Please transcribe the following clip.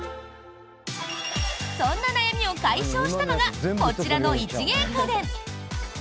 そんな悩みを解消したのがこちらの一芸家電。